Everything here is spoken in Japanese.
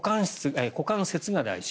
股関節が大事。